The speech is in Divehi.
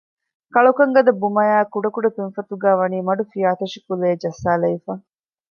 ކަޅުކަން ގަދަ ބުމައާއި ކުޑަ ކުޑަ ތުންފަތުގައި ވަނީ މަޑު ފިޔާތޮށި ކުލައެއް ޖައްސާލެވިފަ